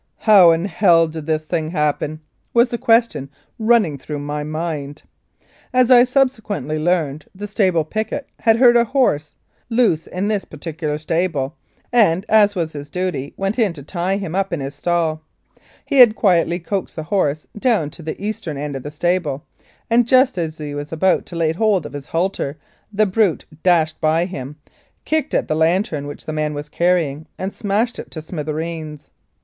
"How in hell did this thing happen ?" was the question running through my mind. As I subsequently learned, the stable picket had heard a horse loose in this particular stable, and, as was his duty, went in to tie him up in his stall. He had quietly coaxed the horse down to the eastern end of the stable, and just as he was about to lay hold of his halter the brute dashed by him, kicked at the lantern which the man was carrying, and smashed it to smithereens.